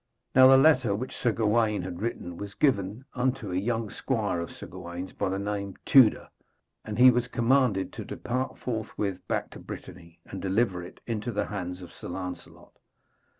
Now the letter which Sir Gawaine had written was given unto a young squire of Sir Gawaine's, by name Tewder, and he was commanded to depart forthwith back to Brittany, and deliver it into the hands of Sir Lancelot.